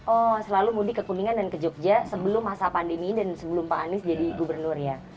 oh selalu mudik ke kuningan dan ke jogja sebelum masa pandemi dan sebelum pak anies jadi gubernur ya